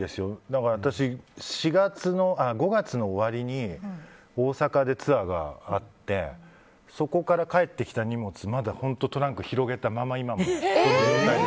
だから私、５月の終わりに大阪でツアーがあってそこから帰ってきた荷物まだトランク広げたまま、今も。